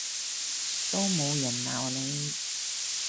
都冇人鬧你